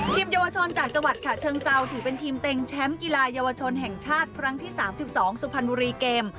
เยาวชนจากจังหวัดฉะเชิงเซาถือเป็นทีมเต็งแชมป์กีฬาเยาวชนแห่งชาติครั้งที่๓๒สุพรรณบุรีเกม